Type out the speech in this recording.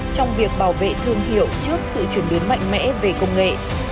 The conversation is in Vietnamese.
trong việc bảo vệ thương hiệu trước sự chuyển biến mạnh mẽ về công nghệ